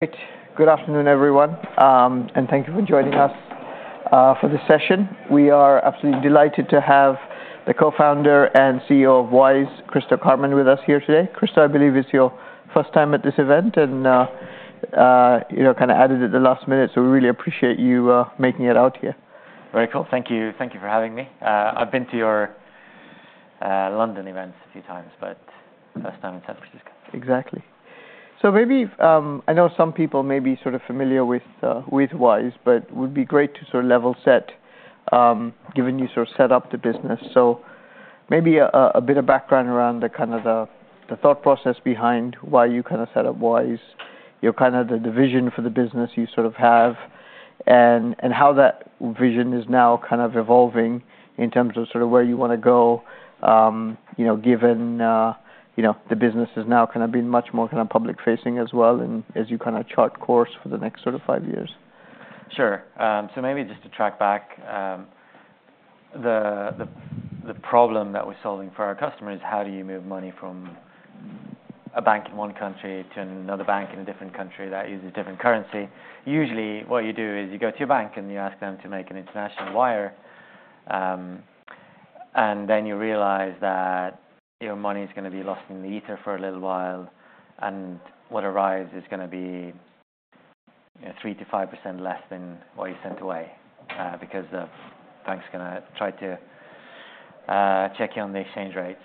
Good, good afternoon, everyone, and thank you for joining us for this session. We are absolutely delighted to have the co-founder and CEO of Wise, Kristo Käärmann, with us here today. Kristo, I believe it's your first time at this event, and, you know, kinda added at the last minute, so we really appreciate you making it out here. Very cool. Thank you, thank you for having me. I've been to your London events a few times, but first time in San Francisco. Exactly, so maybe I know some people may be sort of familiar with, with Wise, but it would be great to sort of level set, given you sort of set up the business, so maybe a bit of background around the kind of thought process behind why you kinda set up Wise, you know, kind of the vision for the business you sort of have, and how that vision is now kind of evolving in terms of sort of where you wanna go, you know, given, you know, the business has now kind of been much more kind of public facing as well, and as you kind of chart course for the next sort of five years. Sure. So maybe just to track back, the problem that we're solving for our customers is: How do you move money from a bank in one country to another bank in a different country that uses different currency? Usually, what you do is, you go to your bank and you ask them to make an international wire. And then you realize that your money is gonna be lost in the ether for a little while, and what arrives is gonna be, you know, 3%-5% less than what you sent away, because the bank's gonna try to check you on the exchange rates.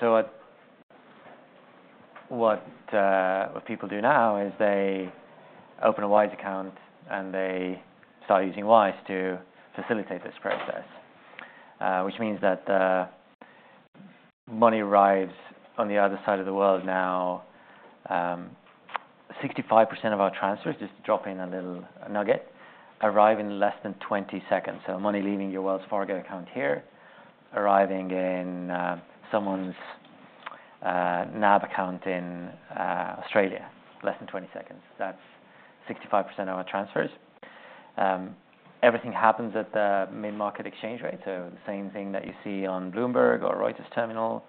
So what people do now is they open a Wise account, and they start using Wise to facilitate this process. Which means that money arrives on the other side of the world now. 65% of our transfers, just dropping a little nugget, arrive in less than 20 seconds. So money leaving your Wells Fargo account here, arriving in someone's NAB account in Australia, less than 20 seconds. That's 65% of our transfers. Everything happens at the mid-market exchange rate, so the same thing that you see on Bloomberg or Reuters terminal,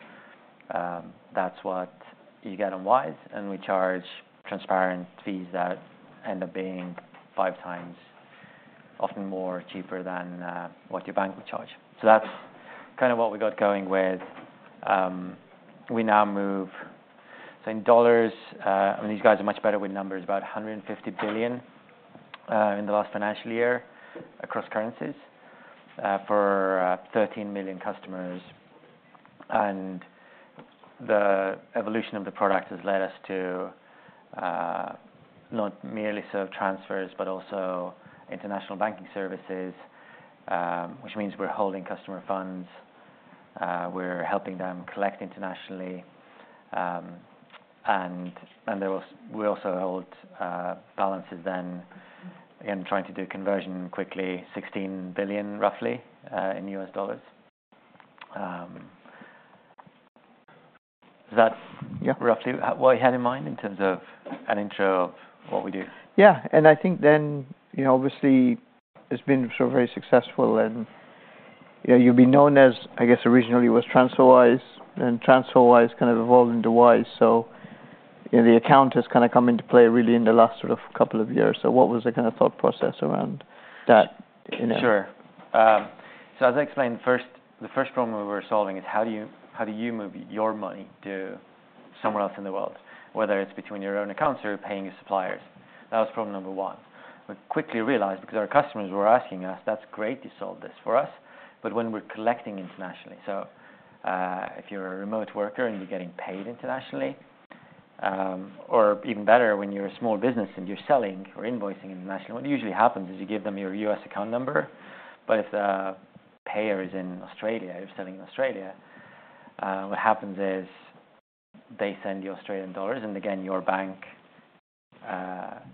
that's what you get on Wise, and we charge transparent fees that end up being 5 times, often more cheaper than what your bank would charge. So that's kind of what we got going with. We now move, so in dollars. I mean, these guys are much better with numbers, about 150 billion in the last financial year across currencies for 13 million customers. And the evolution of the product has led us to not merely serve transfers, but also international banking services, which means we're holding customer funds, we're helping them collect internationally, and we also hold balances then. Again, trying to do conversion quickly, $16 billion, roughly, in US dollars. Is that- Yeah... roughly what you had in mind in terms of an intro of what we do? Yeah, and I think then, you know, obviously, it's been so very successful, and, you know, you've been known as, I guess, originally it was TransferWise, and TransferWise kind of evolved into Wise. So, you know, the account has kinda come into play really in the last sort of couple of years. So what was the kind of thought process around that, you know? Sure. So as I explained first, the first problem we were solving is: How do you move your money to somewhere else in the world? Whether it's between your own accounts or you're paying your suppliers. That was problem number one. We quickly realized, because our customers were asking us, "That's great, you solved this for us, but when we're collecting internationally..." So, if you're a remote worker and you're getting paid internationally, or even better, when you're a small business and you're selling or invoicing internationally, what usually happens is you give them your US account number. But if the payer is in Australia, you're selling in Australia, what happens is, they send you Australian dollars, and again, your bank,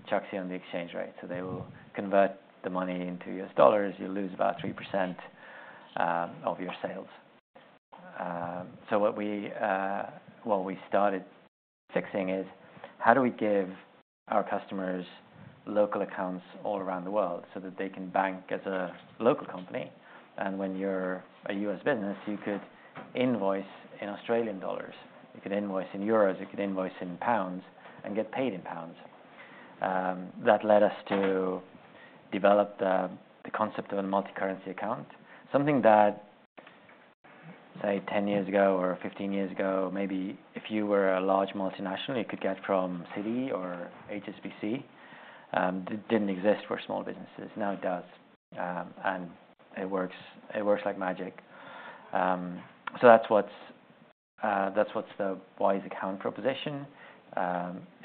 charges you on the exchange rate. So they will convert the money into US dollars. You lose about 3% of your sales. So what we started fixing is: How do we give our customers local accounts all around the world so that they can bank as a local company? And when you're a U.S. business, you could invoice in Australian dollars, you could invoice in euros, you could invoice in pounds and get paid in pounds. That led us to develop the concept of a multicurrency account. Something that, say, 10 years ago or 15 years ago, maybe if you were a large multinational, you could get from Citi or HSBC. It didn't exist for small businesses. Now it does, and it works like magic. So that's the Wise Account proposition.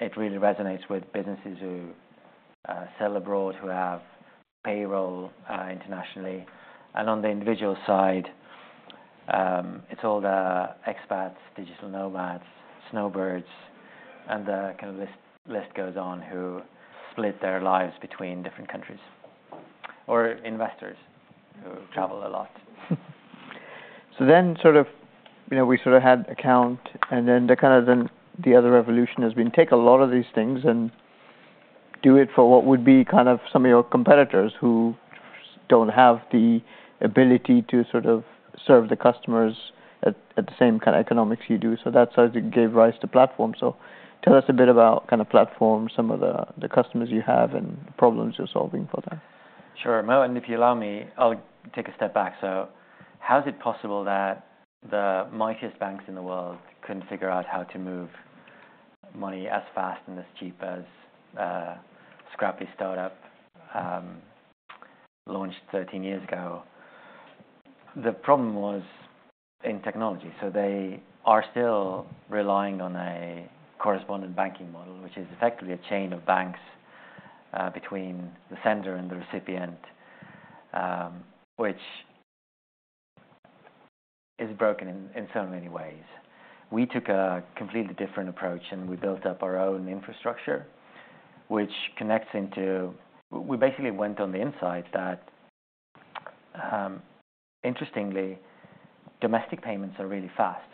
It really resonates with businesses who sell abroad, who have payroll internationally. On the individual side, it's all the expats, digital nomads, snowbirds, and the kind of list goes on, who split their lives between different countries, or investors who travel a lot. So then, sort of, you know, we sort of had account, and then the other evolution has been take a lot of these things and do it for what would be kind of some of your competitors who don't have the ability to sort of serve the customers at the same kind of economics you do. So that's how it gave rise to platform. So tell us a bit about kind of platform, some of the customers you have, and the problems you're solving for them. Sure. Mo, and if you allow me, I'll take a step back. So how is it possible that the mightiest banks in the world couldn't figure out how to move money as fast and as cheap as a scrappy startup launched thirteen years ago? The problem was in technology, so they are still relying on a correspondent banking model, which is effectively a chain of banks between the sender and the recipient, which is broken in so many ways. We took a completely different approach, and we built up our own infrastructure, which connects into. We basically went on the inside that, interestingly, domestic payments are really fast.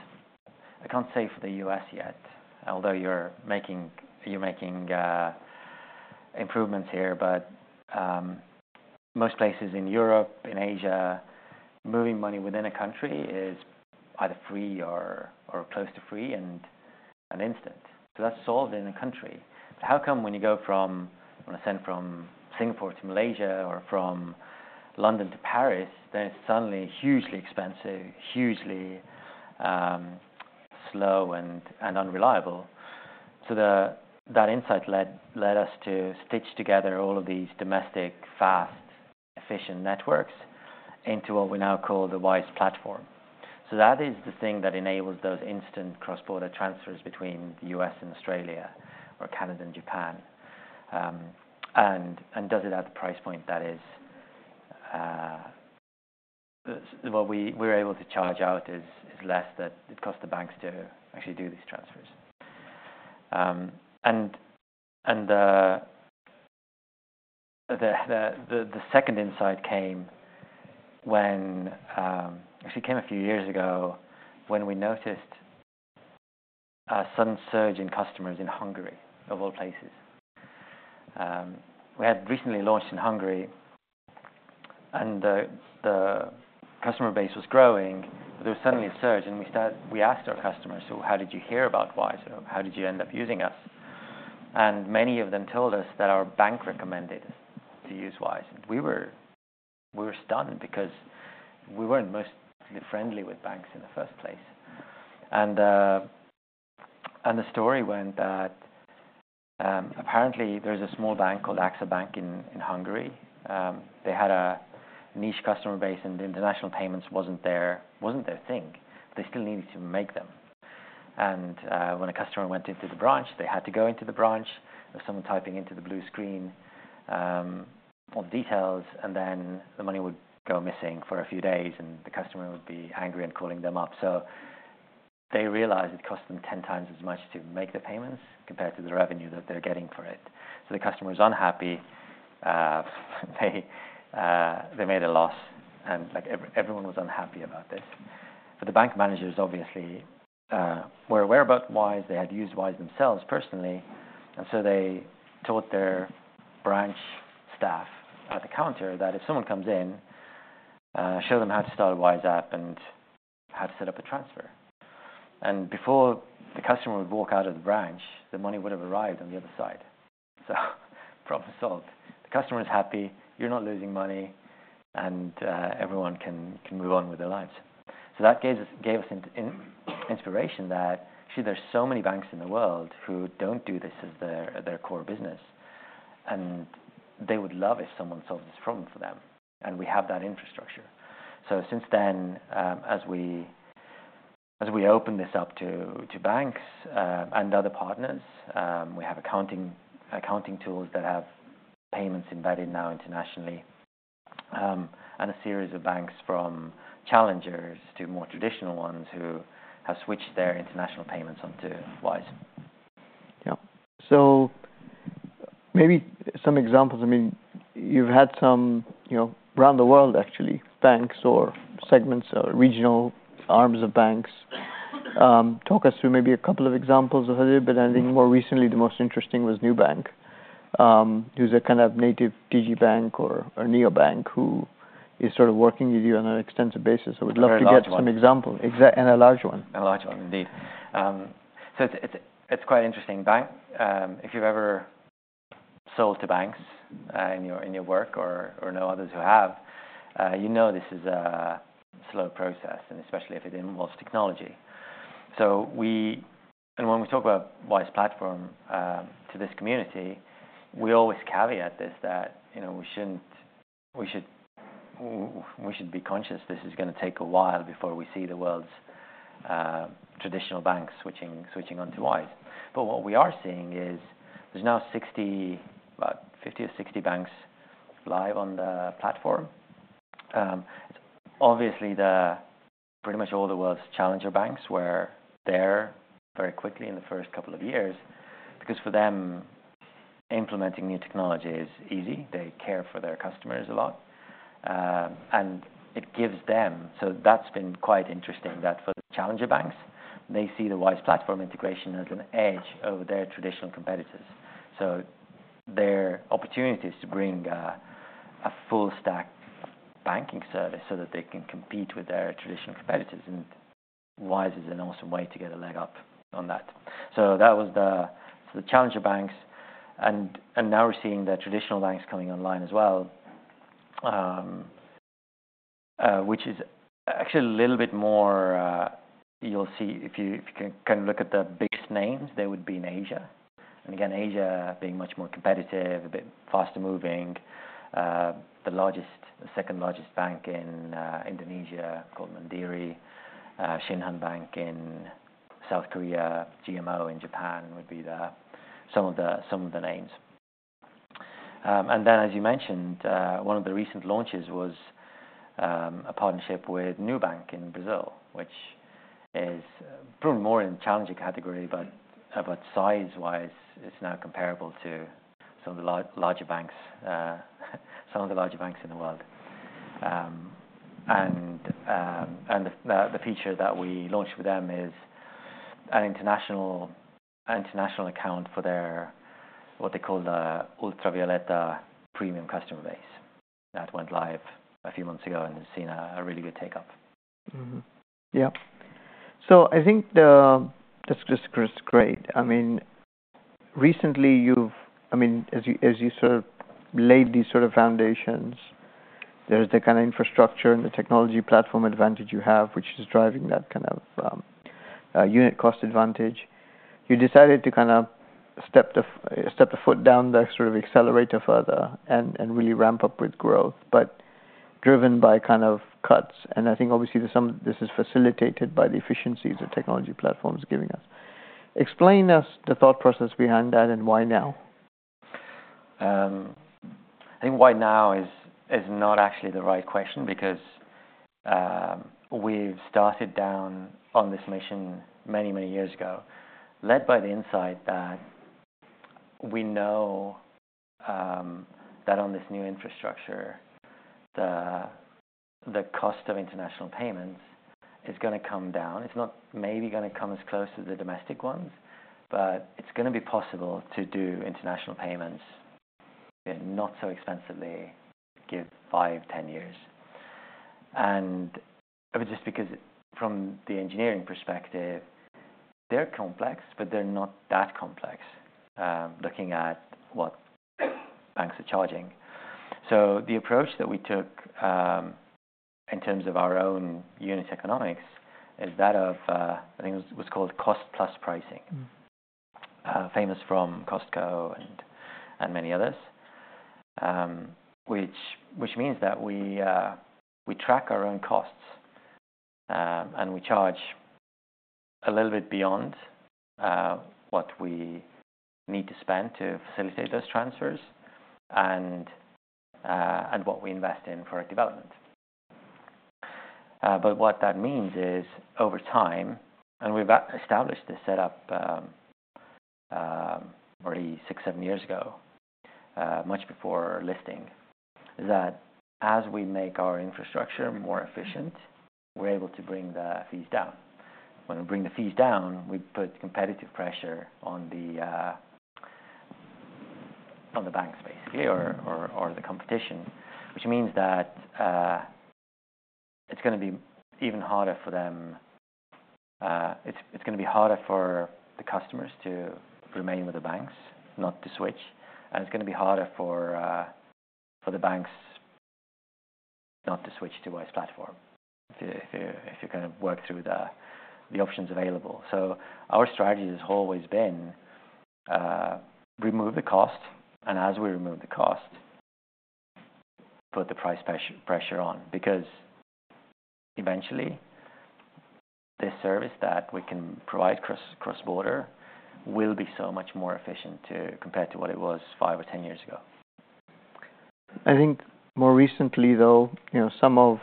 I can't say for the U.S. yet, although you're making improvements here, but most places in Europe, in Asia, moving money within a country is either free or close to free and instant. So that's solved in a country. How come when I send from Singapore to Malaysia or from London to Paris, then it's suddenly hugely expensive, hugely slow, and unreliable? So that insight led us to stitch together all of these domestic, fast, efficient networks into what we now call the Wise Platform. So that is the thing that enables those instant cross-border transfers between the U.S. and Australia or Canada and Japan, and does it at the price point that is... What we're able to charge out is less than it costs the banks to actually do these transfers. The second insight came when, actually came a few years ago, when we noticed a sudden surge in customers in Hungary, of all places. We had recently launched in Hungary, and the customer base was growing, but there was suddenly a surge, and we asked our customers, "So how did you hear about Wise? How did you end up using us?" Many of them told us that our bank recommended to use Wise. We were stunned because we weren't most friendly with banks in the first place. The story went that, apparently there's a small bank called AXA Bank in Hungary. They had a niche customer base, and the international payments wasn't their thing. They still needed to make them. When a customer went into the branch, they had to go into the branch, there was someone typing into the blue screen, all the details, and then the money would go missing for a few days, and the customer would be angry and calling them up, so they realized it cost them 10 times as much to make the payments compared to the revenue that they're getting for it, so the customer was unhappy. They made a loss, and, like, everyone was unhappy about this, but the bank managers obviously were aware about Wise. They had used Wise themselves personally, and so they told their branch staff at the counter that if someone comes in, show them how to start a Wise app and how to set up a transfer, and before the customer would walk out of the branch, the money would have arrived on the other side, so problem solved. The customer is happy, you're not losing money, and everyone can move on with their lives, so that gave us inspiration that, actually there's so many banks in the world who don't do this as their core business, and they would love if someone solved this problem for them, and we have that infrastructure. Since then, as we open this up to banks and other partners, we have accounting tools that have payments embedded now internationally, and a series of banks, from challengers to more traditional ones, who have switched their international payments onto Wise. Yeah. So maybe some examples. I mean, you've had some, you know, around the world, actually, banks or segments or regional arms of banks. Talk us through maybe a couple of examples of it, but I think more recently, the most interesting was Nubank. Who's a kind of native digital bank or neobank, who is sort of working with you on an extensive basis. I would love to get some examples. A large one. Exactly and a large one. A large one, indeed. So it's quite interesting bank. If you've ever sold to banks in your work or know others who have, you know, this is a slow process, and especially if it involves technology, and when we talk about Wise Platform to this community, we always caveat this, that, you know, we should be conscious this is going to take a while before we see the world's traditional banks switching onto Wise. But what we are seeing is, there's now sixty. About fifty or sixty banks live on the platform. Obviously, pretty much all the world's challenger banks were there very quickly in the first couple of years, because for them, implementing new technology is easy. They care for their customers a lot, and it gives them... So that's been quite interesting that for the challenger banks, they see the Wise Platform integration as an edge over their traditional competitors. So their opportunity is to bring a full stack banking service so that they can compete with their traditional competitors, and Wise is an awesome way to get a leg up on that. So that was the challenger banks, and now we're seeing the traditional banks coming online as well. Which is actually a little bit more, you'll see if you can look at the biggest names, they would be in Asia. And again, Asia being much more competitive, a bit faster moving. The second largest bank in Indonesia, called Mandiri, Shinhan Bank in South Korea, GMO in Japan, would be some of the names. And then, as you mentioned, one of the recent launches was a partnership with Nubank in Brazil, which is probably more in the challenger category, but size-wise, it's now comparable to some of the larger banks in the world. And the feature that we launched with them is an international account for their, what they call the Ultravioleta premium customer base. That went live a few months ago and has seen a really good take-up. Mm-hmm. Yeah. So I think that's just great. I mean, recently you've I mean, as you as you sort of laid these sort of foundations, there's the kind of infrastructure and the technology platform advantage you have, which is driving that kind of unit cost advantage. You decided to kind of step the foot down, the sort of accelerator further, and really ramp up with growth, but driven by kind of cuts. I think obviously there's some. This is facilitated by the efficiencies the technology platform is giving us. Explain us the thought process behind that, and why now? I think why now is not actually the right question, because we've started down on this mission many, many years ago, led by the insight that we know that on this new infrastructure, the cost of international payments is gonna come down. It's not maybe gonna come as close to the domestic ones, but it's gonna be possible to do international payments, but not so expensively, given five, 10 years. And I mean, just because from the engineering perspective, they're complex, but they're not that complex, looking at what banks are charging. So the approach that we took in terms of our own unit economics is that of, I think it was called cost-plus pricing- Mm. Famous from Costco and many others. Which means that we track our own costs, and we charge a little bit beyond what we need to spend to facilitate those transfers, and what we invest in for our development. But what that means is, over time, and we've established this setup already six, seven years ago, much before listing, is that as we make our infrastructure more efficient, we're able to bring the fees down. When we bring the fees down, we put competitive pressure on the banks, basically, or the competition. Which means that it's gonna be even harder for them... It's gonna be harder for the customers to remain with the banks, not to switch, and it's gonna be harder for the banks not to switch to Wise Platform, if you kind of work through the options available. So our strategy has always been, remove the cost, and as we remove the cost, put the price pressure on. Because eventually, this service that we can provide cross-border will be so much more efficient compared to what it was five or ten years ago. I think more recently, though, you know, some of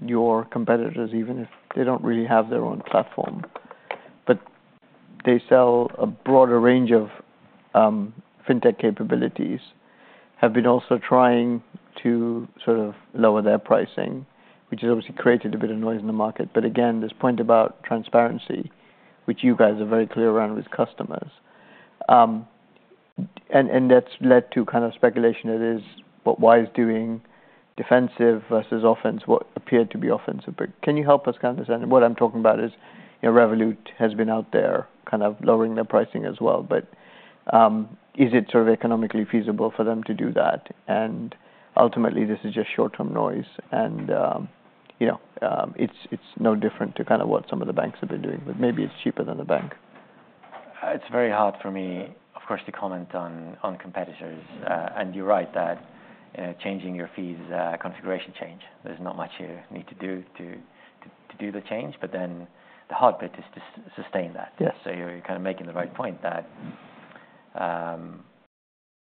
your competitors, even if they don't really have their own platform, but they sell a broader range of, fintech capabilities, have been also trying to sort of lower their pricing, which has obviously created a bit of noise in the market. But again, this point about transparency, which you guys are very clear around with customers, and that's led to kind of speculation that is, what Wise doing, defensive versus offense, what appeared to be offensive. But can you help us understand? What I'm talking about is, you know, Revolut has been out there kind of lowering their pricing as well, but, is it sort of economically feasible for them to do that? Ultimately, this is just short-term noise and, you know, it's no different to kind of what some of the banks have been doing, but maybe it's cheaper than the bank. It's very hard for me, of course, to comment on competitors. And you're right that changing your fees is a configuration change. There's not much you need to do to do the change, but then the hard bit is to sustain that. So you're kind of making the right point, that,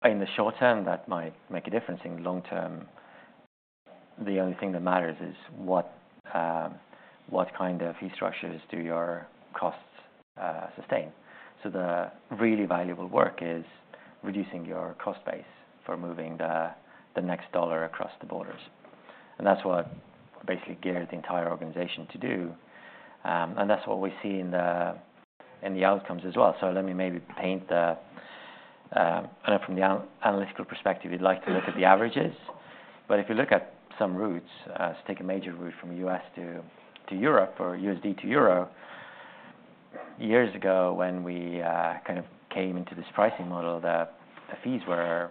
in the short term, that might make a difference. In the long term, the only thing that matters is what, what kind of fee structures do your costs sustain. So the really valuable work is reducing your cost base for moving the next dollar across the borders. And that's what basically geared the entire organization to do. And that's what we see in the outcomes as well. So let me maybe paint the. I know from the analytical perspective, we'd like to look at the averages. But if you look at some routes, so take a major route from U.S. to Europe or USD to euro. Years ago, when we kind of came into this pricing model, the fees were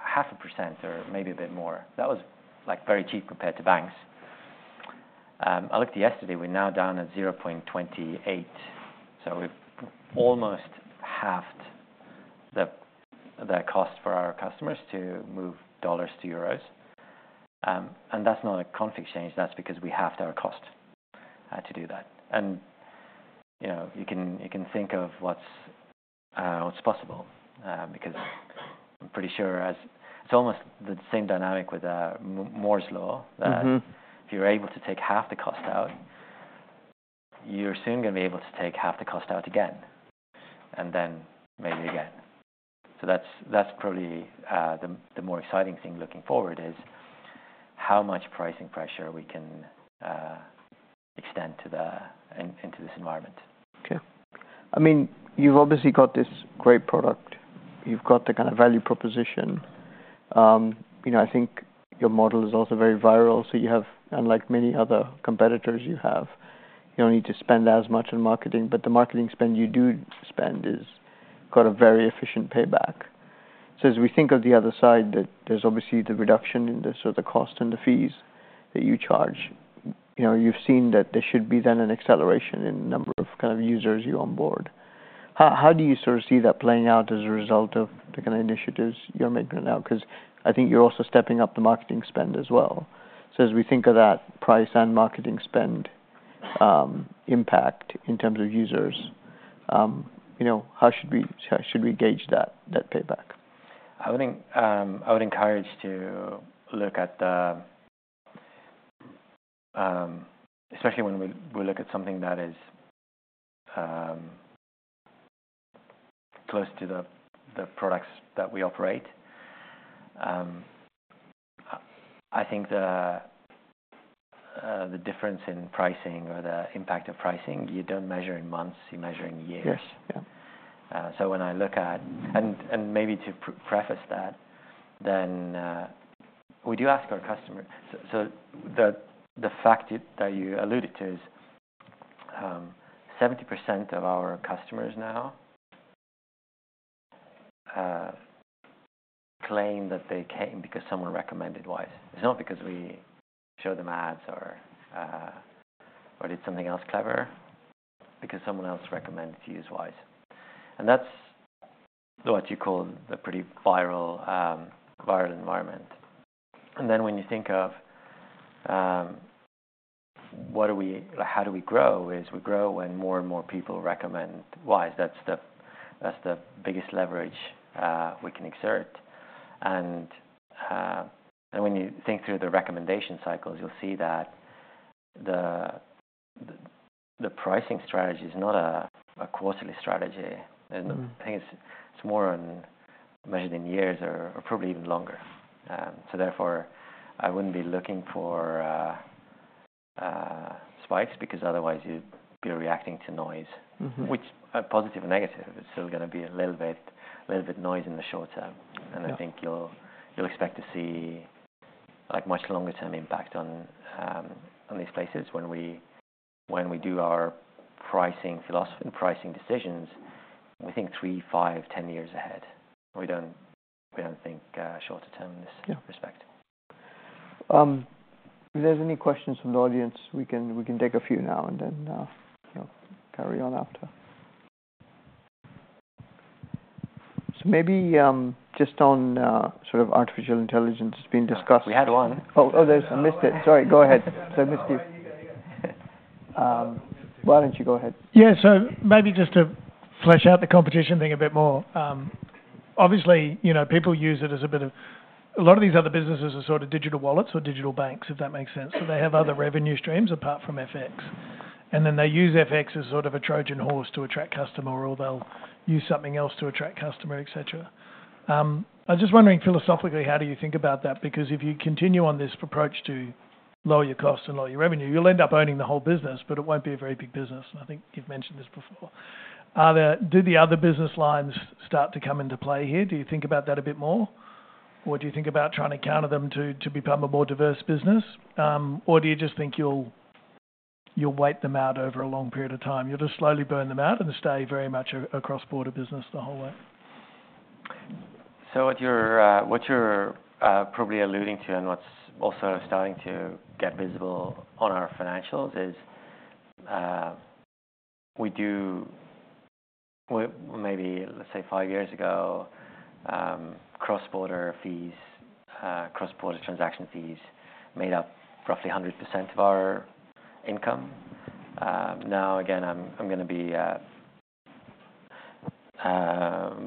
0.5% or maybe a bit more. That was, like, very cheap compared to banks. I looked yesterday, we're now down at 0.28%, so we've almost halved the cost for our customers to move dollars to euros. And that's not a forex change, that's because we halved our cost to do that. You know, you can think of what's possible, because I'm pretty sure it's almost the same dynamic with Moore's Law If you're able to take half the cost out, you're soon gonna be able to take half the cost out again, and then maybe again. So that's probably the more exciting thing looking forward, is how much pricing pressure we can extend into this environment. Okay. I mean, you've obviously got this great product. You've got the kind of value proposition. You know, I think your model is also very viral, so you have, unlike many other competitors you have, you don't need to spend as much on marketing, but the marketing spend you do spend is got a very efficient payback. So as we think of the other side, that there's obviously the reduction in the, so the cost and the fees that you charge, you know, you've seen that there should be then an acceleration in number of kind of users you onboard. How do you sort of see that playing out as a result of the kind of initiatives you're making now? Because I think you're also stepping up the marketing spend as well. So as we think of that price and marketing spend, impact in terms of users, you know, how should we gauge that, that payback? I would think, I would encourage to look at the, especially when we look at something that is close to the products that we operate. I think the difference in pricing or the impact of pricing, you don't measure in months, you measure in years. Yes. Yeah. So when I look at and maybe to preface that, we do ask our customer. The fact that you alluded to is 70% of our customers now claim that they came because someone recommended Wise. It's not because we show them ads or did something else clever, because someone else recommended to use Wise. And that's what you call a pretty viral environment. And then when you think of how do we grow, is we grow when more and more people recommend Wise. That's the biggest leverage we can exert. And when you think through the recommendation cycles, you'll see that the pricing strategy is not a quarterly strategy. Mm-hmm. The thing is, it's more often measured in years or probably even longer. Therefore, I wouldn't be looking for spikes, because otherwise you'd be reacting to noise. Mm-hmm. Which are positive and negative. It's still gonna be a little bit noise in the short term. Yeah. I think you'll expect to see, like, much longer term impact on these places when we do our pricing philosophy and pricing decisions. We think three, five, ten years ahead. We don't think shorter term in this- Yeah... respect. If there's any questions from the audience, we can take a few now and then carry on after. Maybe just on sort of artificial intelligence, it's been discussed- We had one. Oh, oh, there's... I missed it. Sorry, go ahead. So I missed you. Why don't you go ahead? Yeah. So maybe just to flesh out the competition thing a bit more. Obviously, you know, people use it as a bit of... A lot of these other businesses are sort of digital wallets or digital banks, if that makes sense. So they have other revenue streams apart from FX, and then they use FX as sort of a Trojan horse to attract customer, or they'll use something else to attract customer, et cetera. I'm just wondering philosophically, how do you think about that? Because if you continue on this approach to lower your cost and lower your revenue, you'll end up owning the whole business, but it won't be a very big business. And I think you've mentioned this before. Do the other business lines start to come into play here? Do you think about that a bit more, or do you think about trying to counter them to become a more diverse business? Or do you just think you'll wait them out over a long period of time? You'll just slowly burn them out and stay very much a cross-border business the whole way. So what you're probably alluding to, and what's also starting to get visible on our financials, is we maybe, let's say five years ago, cross-border fees, cross-border transaction fees made up roughly 100% of our income. Now, again, I'm gonna be a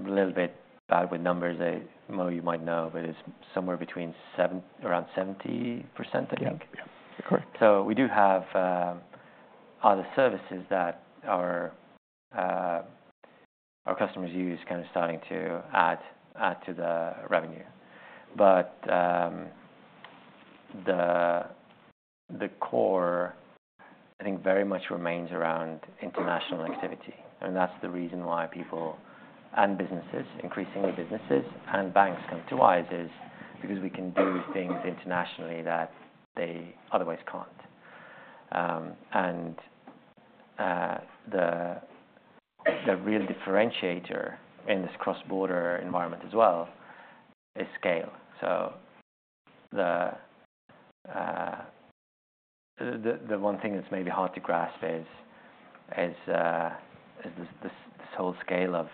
little bit bad with numbers. I know you might know, but it's somewhere around 70%, I think. Yeah. Correct. So we do have other services that our customers use, kind of starting to add to the revenue. But the core, I think, very much remains around international activity, and that's the reason why people and businesses, increasingly businesses and banks, come to Wise is because we can do things internationally that they otherwise can't. And the real differentiator in this cross-border environment as well is scale. So the one thing that's maybe hard to grasp is this whole scale of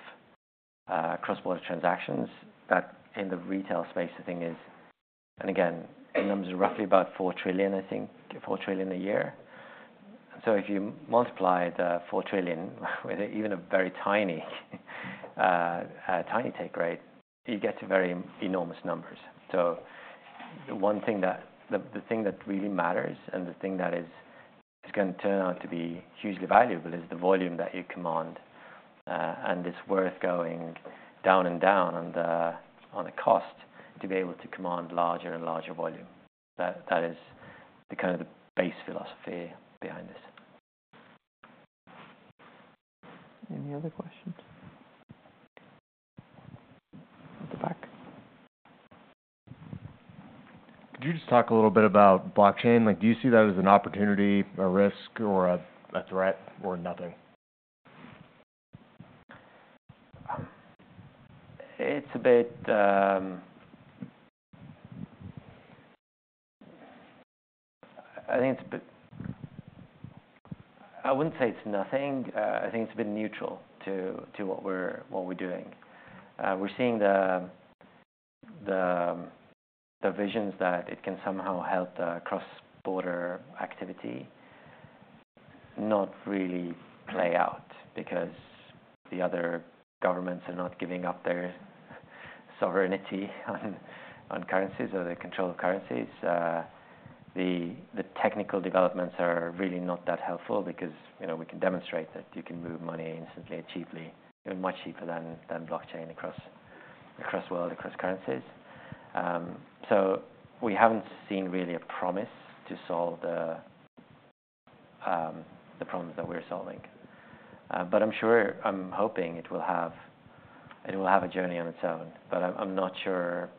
cross-border transactions, that in the retail space, the thing is. And again, the number is roughly about four trillion, I think, four trillion a year. So if you multiply the four trillion with even a very tiny take rate, you get to very enormous numbers. So the one thing that really matters, and the thing that is going to turn out to be hugely valuable, is the volume that you command, and it's worth going down and down on the cost to be able to command larger and larger volume. That is the kind of base philosophy behind this. Any other questions? At the back. Could you just talk a little bit about blockchain? Like, do you see that as an opportunity, a risk, or a threat, or nothing? It's a bit. I think it's a bit. I wouldn't say it's nothing. I think it's a bit neutral to what we're doing. We're seeing the visions that it can somehow help the cross-border activity not really play out, because the other governments are not giving up their sovereignty on currencies or the control of currencies. The technical developments are really not that helpful because, you know, we can demonstrate that you can move money instantly and cheaply and much cheaper than blockchain across the world, across currencies. So we haven't seen really a promise to solve the problems that we're solving. But I'm sure. I'm hoping it will have a journey on its own, but I'm not sure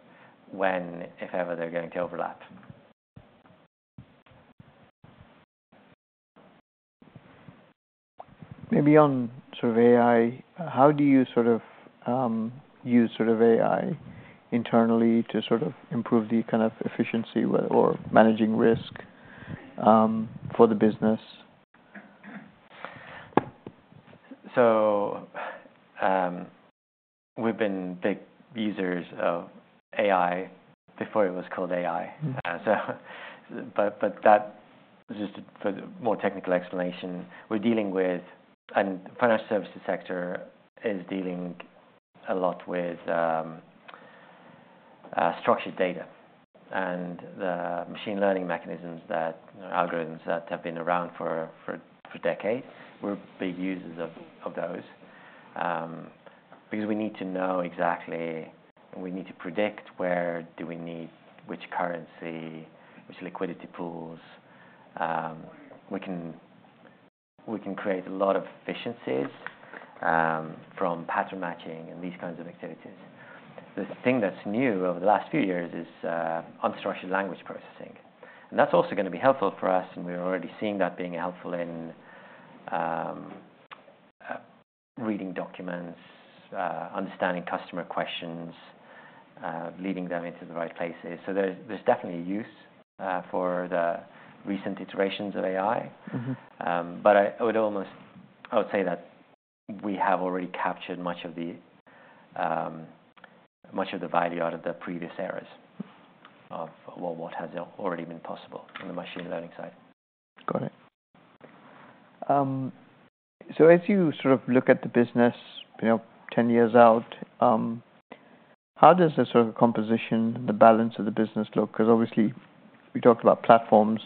when, if ever, they're going to overlap. Maybe on sort of AI, how do you sort of use sort of AI internally to sort of improve the kind of efficiency with regard to managing risk for the business? We've been big users of AI before it was called AI. So, but that just for the more technical explanation, we're dealing with, and the financial services sector is dealing a lot with structured data and the machine learning mechanisms, algorithms that have been around for decades. We're big users of those because we need to know exactly, we need to predict where do we need which currency, which liquidity pools. We can create a lot of efficiencies from pattern matching and these kinds of activities. The thing that's new over the last few years is unstructured language processing, and that's also gonna be helpful for us, and we're already seeing that being helpful in reading documents, understanding customer questions, leading them into the right places. So there's definitely use for the recent iterations of AI. I would say that we have already captured much of the value out of the previous eras of, well, what has already been possible on the machine learning side. Got it, so as you sort of look at the business, you know, ten years out, how does the sort of composition, the balance of the business look? Because obviously, we talked about platforms.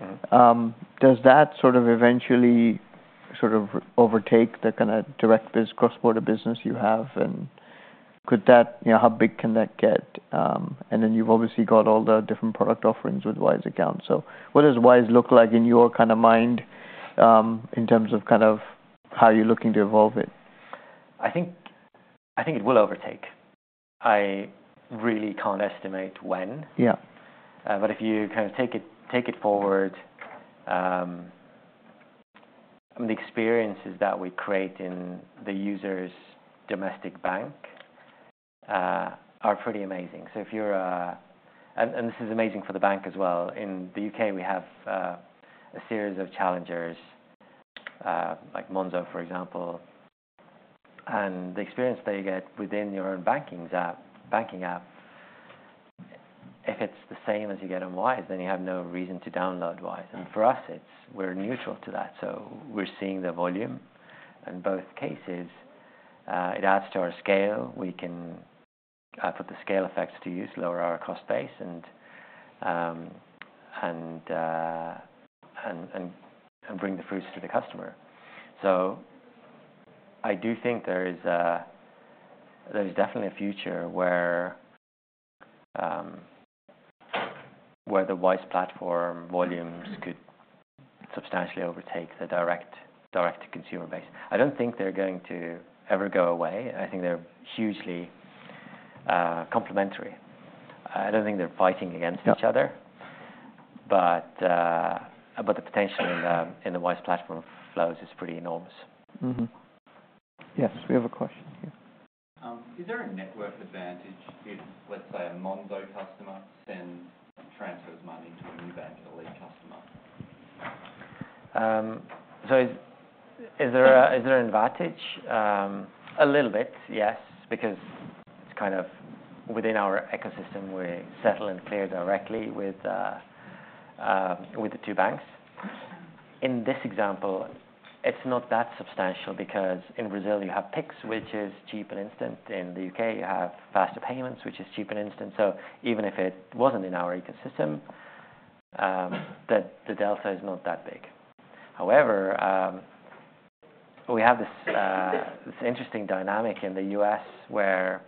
Mm-hmm. Does that sort of eventually sort of overtake the kind of direct business cross-border business you have, and could that... You know, how big can that get? And then you've obviously got all the different product offerings with Wise Account. So what does Wise look like in your kind of mind, in terms of kind of how you're looking to evolve it? I think, I think it will overtake. I really can't estimate when. But if you kind of take it forward, the experiences that we create in the user's domestic bank are pretty amazing. So if you're and this is amazing for the bank as well. In the U.K., we have a series of challengers like Monzo, for example. And the experience that you get within your own banking app, if it's the same as you get on Wise, then you have no reason to download Wise. And for us, it's. We're neutral to that. So we're seeing the volume. In both cases, it adds to our scale. We can put the scale effects to use, lower our cost base, and bring the fruits to the customer. So I do think there is definitely a future where the Wise Platform volumes could substantially overtake the direct-to-consumer base. I don't think they're going to ever go away. I think they're hugely complementary. I don't think they're fighting against each other. But the potential in the Wise Platform flows is pretty enormous. Mm-hmm. Yes, we have a question here. Is there a network advantage if, let's say, a Monzo customer sends, transfers money to a Nubank or Revolut customer? So, is there an advantage? A little bit, yes, because it's kind of within our ecosystem. We settle and clear directly with the two banks. In this example, it's not that substantial because in Brazil you have Pix, which is cheap and instant. In the U.K., you have Faster Payments, which is cheap and instant. So even if it wasn't in our ecosystem, the delta is not that big. However, we have this interesting dynamic in the U.S. where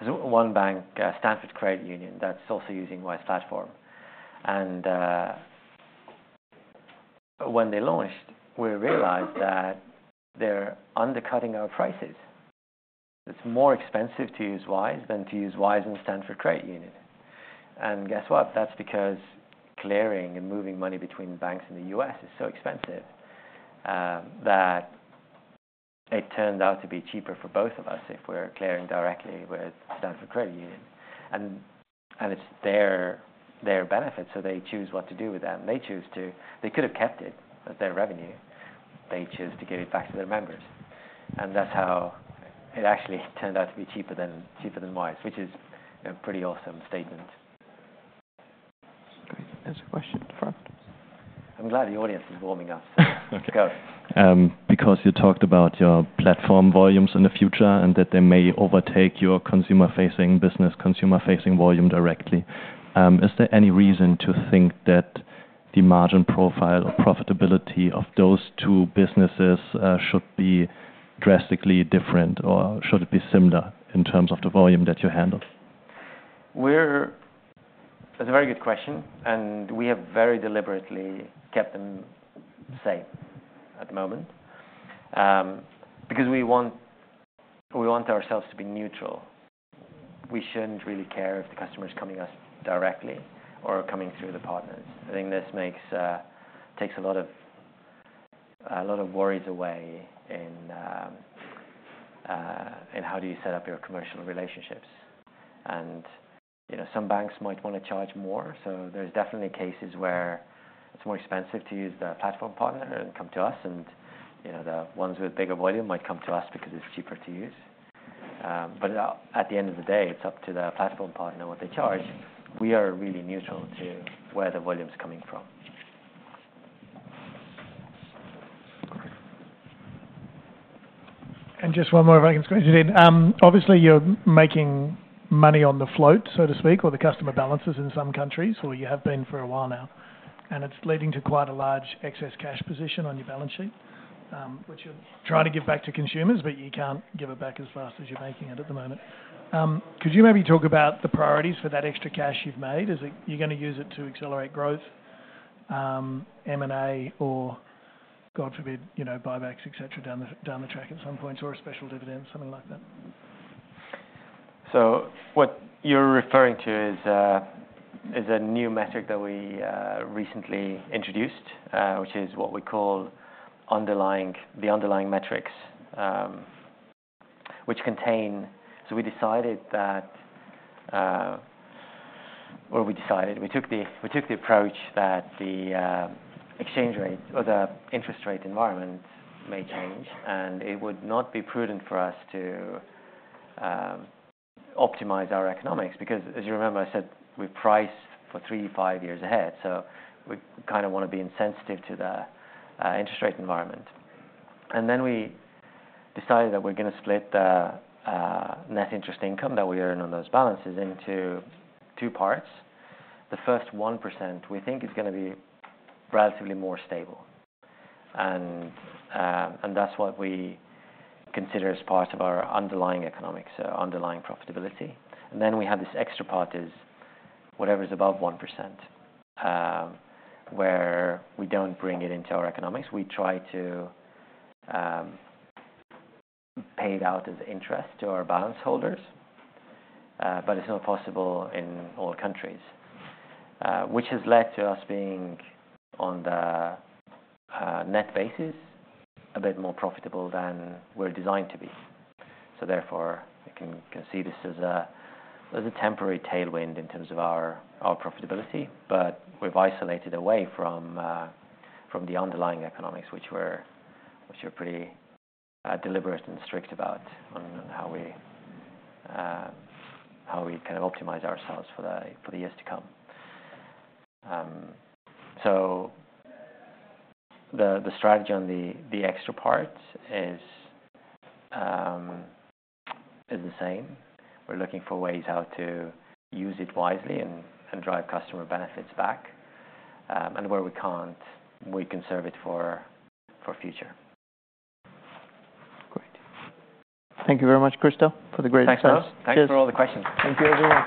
there's one bank, Stanford Federal Credit Union, that's also using Wise Platform. And when they launched, we realized that they're undercutting our prices. It's more expensive to use Wise than to use Wise and Stanford Federal Credit Union. And guess what? That's because clearing and moving money between banks in the U.S. is so expensive that it turned out to be cheaper for both of us if we're clearing directly with Stanford Federal Credit Union. And it's their benefit, so they choose what to do with that. And they choose to... They could have kept it as their revenue. They chose to give it back to their members, and that's how it actually turned out to be cheaper than Wise, which is a pretty awesome statement. There's a question at the front. I'm glad the audience is warming up. Okay. Go. Because you talked about your platform volumes in the future, and that they may overtake your consumer-facing business, consumer-facing volume directly, is there any reason to think that the margin profile or profitability of those two businesses should be drastically different, or should it be similar in terms of the volume that you handle? That's a very good question, and we have very deliberately kept them the same at the moment. Because we want ourselves to be neutral. We shouldn't really care if the customer is coming to us directly or coming through the partners. I think this takes a lot of worries away in how do you set up your commercial relationships. And, you know, some banks might want to charge more, so there's definitely cases where it's more expensive to use the platform partner and come to us. And, you know, the ones with bigger volume might come to us because it's cheaper to use. But at the end of the day, it's up to the platform partner what they charge. We are really neutral to where the volume is coming from. And just one more, if I can squeeze it in. Obviously, you're making money on the float, so to speak, or the customer balances in some countries, or you have been for a while now, and it's leading to quite a large excess cash position on your balance sheet, which you're trying to give back to consumers, but you can't give it back as fast as you're making it at the moment. Could you maybe talk about the priorities for that extra cash you've made? Is it you're gonna use it to accelerate growth, M&A, or, God forbid, you know, buybacks, et cetera, down the track at some point, or a special dividend, something like that? What you're referring to is a new metric that we recently introduced, which is what we call the underlying metrics. We decided that we took the approach that the exchange rate or the interest rate environment may change, and it would not be prudent for us to optimize our economics. Because as you remember, I said we priced for three to five years ahead, we kinda want to be insensitive to the interest rate environment. Then we decided that we're gonna split the net interest income that we earn on those balances into two parts. The first 1%, we think, is gonna be relatively more stable. That's what we consider as part of our underlying economics, so underlying profitability. And then we have this extra part, is whatever is above 1%, where we don't bring it into our economics. We try to pay it out as interest to our balance holders, but it's not possible in all countries. Which has led to us being, on the net basis, a bit more profitable than we're designed to be. So therefore, you can see this as a temporary tailwind in terms of our profitability, but we've isolated away from the underlying economics, which we're pretty deliberate and strict about on how we kind of optimize ourselves for the years to come, so the strategy on the extra parts is the same. We're looking for ways how to use it wisely and drive customer benefits back. and where we can't, we conserve it for future. Great. Thank you very much, Kristo, for the great presentation. Thanks, guys. Thanks for all the questions. Thank you, everyone.